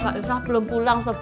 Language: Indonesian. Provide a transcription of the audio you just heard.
kak isah belum pulang sebu